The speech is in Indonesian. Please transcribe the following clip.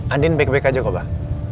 andi back back aja kok pak